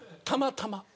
たまたま。